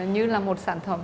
như là một sản phẩm